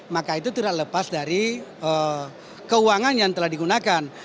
maka itu tidak lepas dari keuangan yang telah digunakan